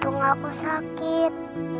tunggu aku sakit